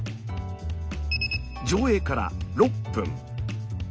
上映から６分。